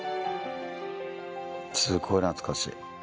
すごいなつかしい。